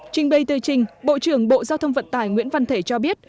trình bày tư trình bộ trưởng bộ giao thông vận tài nguyễn văn thể cho biết